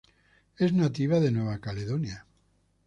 Es nativa de Nueva Caledonia.